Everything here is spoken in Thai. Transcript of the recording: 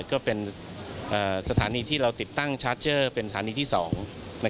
ก็เป็นสถานีที่เราติดตั้งชาร์จเจอร์เป็นสถานีที่๒